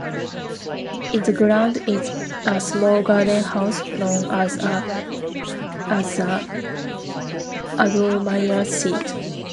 In the grounds is a small garden house known as The Admirals Seat.